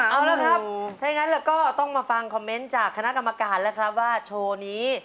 เอาละครับถ้าอย่างนั้นเราก็ต้องมาฟังคอมเมนต์จากคณะกรรมการแล้วครับว่าโชว์นี้